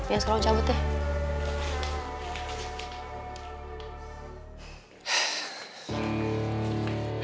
ya sekarang coba teh